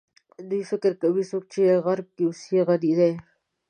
دوی فکر کوي څوک چې غرب کې اوسي غني دي.